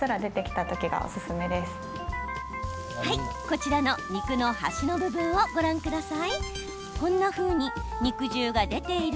こちらの肉の端の部分をご覧ください。